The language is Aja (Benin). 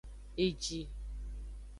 Eji.